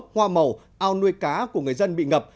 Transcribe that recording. hoa màu ao nuôi cá của người dân bị ngập